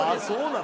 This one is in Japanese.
そう！